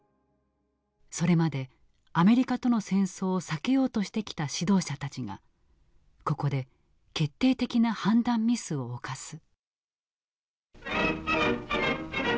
それまでアメリカとの戦争を避けようとしてきた指導者たちがここで決定的な判断ミスを犯す。